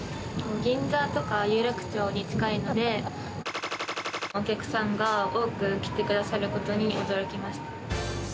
銀座とか有楽町に近いので、のお客さんが多く来てくださることに驚きました。